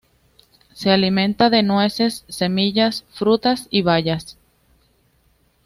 Se alimenta de nueces, semillas, frutas y bayas.